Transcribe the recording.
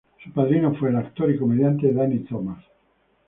Su padrino fue el actor y comediante Danny Thomas.